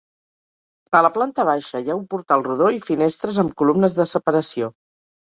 A la planta baixa hi ha un portal rodó i finestres amb columnes de separació.